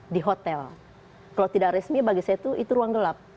di hotel kalau tidak resmi bagi saya itu ruang gelap